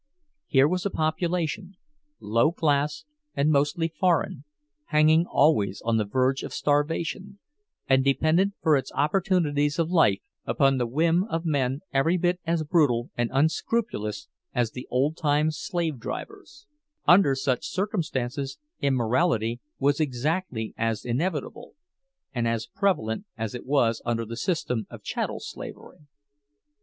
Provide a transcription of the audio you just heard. Here was a population, low class and mostly foreign, hanging always on the verge of starvation, and dependent for its opportunities of life upon the whim of men every bit as brutal and unscrupulous as the old time slave drivers; under such circumstances immorality was exactly as inevitable, and as prevalent, as it was under the system of chattel slavery.